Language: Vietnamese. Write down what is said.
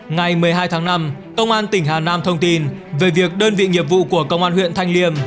ngày một mươi hai tháng năm công an tỉnh hà nam thông tin về việc đơn vị nghiệp vụ của công an huyện thanh liêm